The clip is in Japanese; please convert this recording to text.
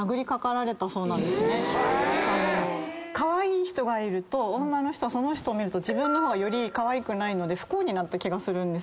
カワイイ人がいると女の人はその人を見ると自分の方がかわいくないので不幸になった気がするんです。